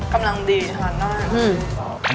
กำลังดีทานได้